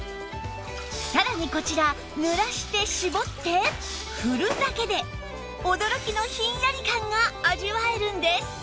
さらにこちら濡らして絞って振るだけで驚きのひんやり感が味わえるんです！